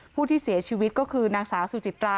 ผู้ที่เสียชีวิตก็คือนางสาวสุจิตรา